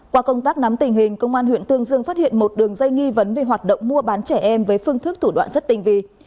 qua công tác nắm tình hình công an huyện tương dương phát hiện một đường dây nghi vấn về hoạt động mua bán trẻ em với phương thức thủ đoạn rất tinh vi